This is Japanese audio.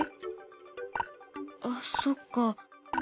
あっそっか。